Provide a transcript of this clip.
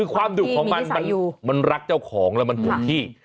ความดูกของมันรักเจ้าของแล้วมันหรือที่